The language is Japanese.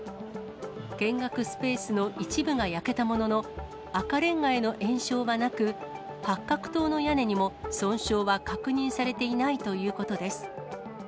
見学スペースの一部が焼けたものの、赤れんがへの延焼はなく、八角塔の屋根にも損傷は確認されていないということです。